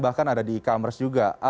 bahkan ada di e commerce juga